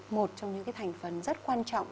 một trong những thành phần rất quan trọng